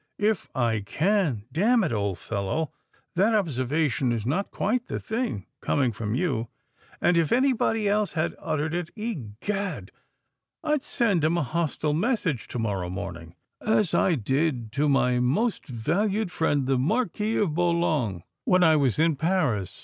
"If I can! Damn it, old fellow, that observation is not quite the thing—coming from you; and if any body else had uttered it, egad! I'd send him a hostile message to morrow morning—as I did to my most valued friend, the Marquis of Boulogne, when I was in Paris.